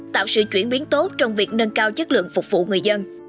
tạo sự chuyển biến tốt trong việc nâng cao chất lượng phục vụ người dân